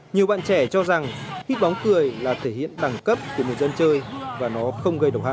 nhiều bạn trẻ cho rằng hít bóng cười là thể hiện đẳng cấp của một dân chơi và nó không gây độc hại